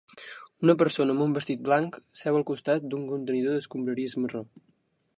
Una persona amb un vestit blanc seu al costat d'un contenidor d'escombraries marró